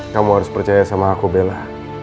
kamu harus percaya sama aku bella